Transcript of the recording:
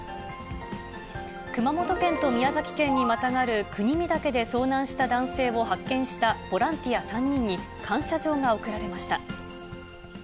熊本県と宮崎県にまたがる国見岳で遭難した男性を発見したボランティア３人に、感謝状が贈られました。